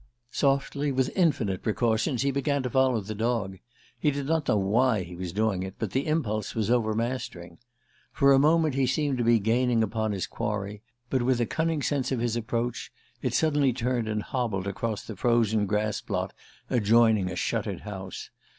Softly, with infinite precautions, he began to follow the dog. He did not know why he was doing it, but the impulse was overmastering. For a moment he seemed to be gaining upon his quarry, but with a cunning sense of his approach it suddenly turned and hobbled across the frozen grass plot adjoining a shuttered house.